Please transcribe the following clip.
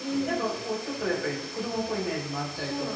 ちょっとやっぱり子供っぽいイメージもあったりとか。